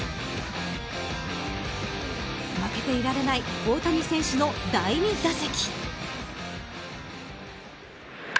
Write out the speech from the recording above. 負けていられない大谷選手の第２打席。